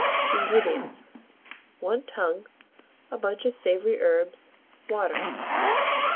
INGREDIENTS. 1 tongue, a bunch of savoury herbs, water.